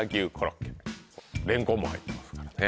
レンコンも入ってますからね。